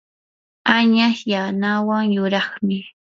añas yanawan yuraqmi.